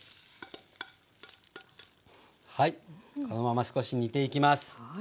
はいこのまま少し煮ていきます。